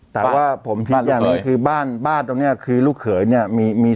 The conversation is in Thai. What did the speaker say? แต่ว่าผมคิดอย่างหนึ่งคือบ้านบ้านตรงนี้คือลูกเขยเนี่ยมี